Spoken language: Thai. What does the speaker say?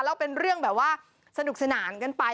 แล้วเป็นเรื่องแบบว่าสนุกสนานกันไป